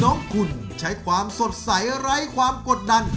น้องคุณใช้ความสดใสไร้ความกดดัน